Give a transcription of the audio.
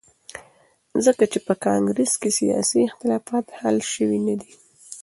ځکه چې په کانګرس کې سیاسي اختلافات حل شوي ندي.